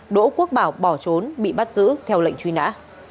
đỗ quốc bảo bỏ trốn bị bắt giữ theo lệnh truy nã